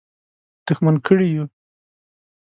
دښمن کړي یو.